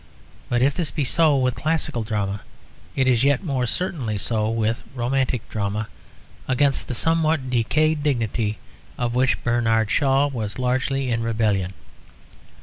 But if this be so with the classical drama, it is yet more certainly so with romantic drama, against the somewhat decayed dignity of which Bernard Shaw was largely in rebellion.